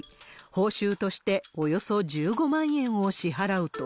報酬としておよそ１５万円を支払うと。